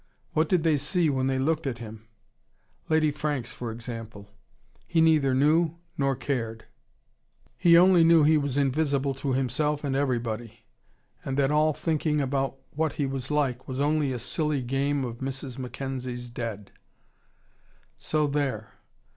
What did they see when they looked at him? Lady Franks, for example. He neither knew nor cared. He only knew he was invisible to himself and everybody, and that all thinking about what he was like was only a silly game of Mrs. Mackenzie's Dead. So there.